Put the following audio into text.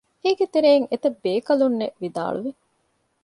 އޭގެތެރެއިން އެތައްބޭކަލުންނެއް ވިދާޅުވި